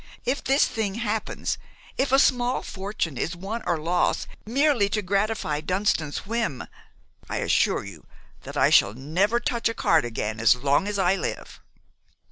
If this thing happens, if a small fortune is won or lost merely to gratify Dunston's whim, I assure you that I shall never touch a card again as long as I live."